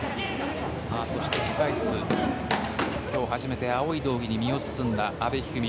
控室では、今日初めて青い道着に身を包んだ阿部一二三。